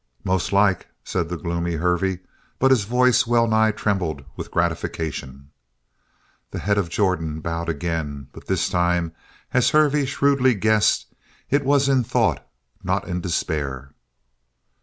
"Most like," said the gloomy Hervey, but his voice well nigh trembled with gratification. The head of Jordan bowed again, but this time, as Hervey shrewdly guessed, it was in thought, not in despair.